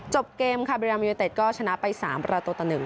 จบเกมค่ะบิโรยามยูเต็ดก็ชนะไป๓และตัวตะหนึ่ง